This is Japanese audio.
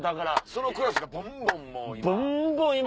そのクラスがぼんぼんもう今。